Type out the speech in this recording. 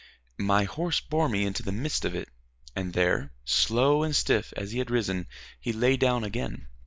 My horse bore me into the midst of it, and there, slow and stiff as he had risen, he lay down again.